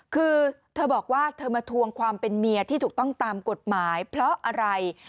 คือเธอบอกว่าเธอมาทวงความเป็นเมียที่ถูกต้องตามกฎหมายเพราะอะไร